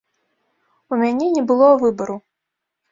У мяне не было выбару.